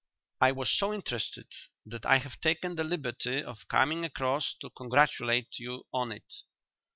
I was so interested that I have taken the liberty of coming across to congratulate you on it."